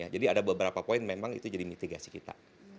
jadi ada beberapa poin memang itu jadi mitigasi kita